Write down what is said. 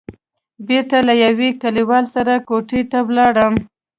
بېرته له يوه کليوال سره کوټې ته ولاړم.